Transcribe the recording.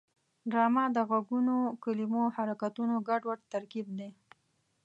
ډرامه د غږونو، کلمو او حرکتونو ګډوډ ترکیب دی